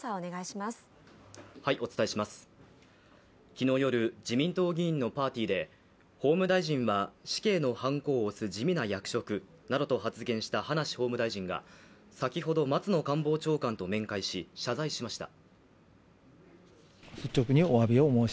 昨日夜、自民党議員のパーティーデ「法務大臣は死刑のはんこを押す地味な役職」などと発言した葉梨法務大臣が先ほど松野官房長官と面会し謝罪しました。